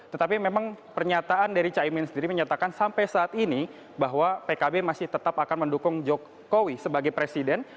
tetapi memang pernyataan dari caimin sendiri menyatakan sampai saat ini bahwa pkb masih tetap akan mendukung jokowi sebagai presiden